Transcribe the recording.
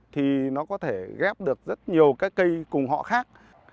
thì nó có thể ghép được rất nhiều cái cây cùng họ khác